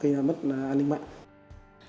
cái này mất an ninh mạnh